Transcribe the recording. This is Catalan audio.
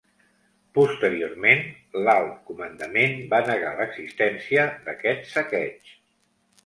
Posteriorment, l'alt comandament va negar l'existència d'aquest saqueig.